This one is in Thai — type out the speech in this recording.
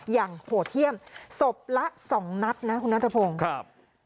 อย่างโหเที่ยมศพละสองนัดนะคุณนัททะพงครับ